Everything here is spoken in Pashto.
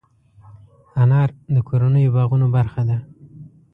انار د کورنیو باغونو برخه ده.